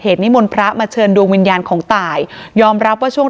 นิมนต์พระมาเชิญดวงวิญญาณของตายยอมรับว่าช่วง